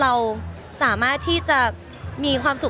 เราสามารถที่จะมีความสุข